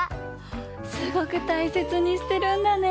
すごくたいせつにしてるんだね！